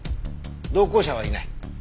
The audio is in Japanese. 同行者はいない。